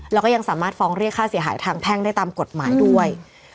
แล้วก็ยังสามารถฟ้องเรียกค่าเสียหายทางแพ่งได้ตามกฎหมายด้วย